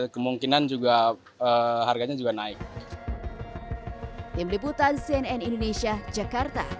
kemungkinan juga harganya juga naik